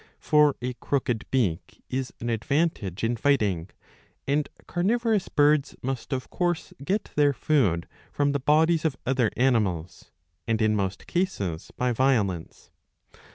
For a crooked beak is an advantage in fighting ; 603 a. IV. 12. 131 and carnivorous birds must of course get their food from the bodies of other animals, and in most cases by violence.